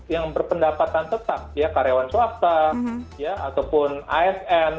yang berpendapatan tetap ya karyawan swasta ataupun asn